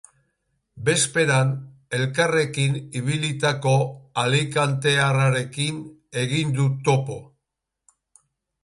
Bezperan elkarrekin ibilitako alikantearrerekin egin dut topo.